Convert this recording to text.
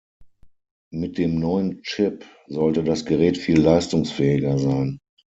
Mit dem neuen Chip sollte das Gerät viel leistungsfähiger sein.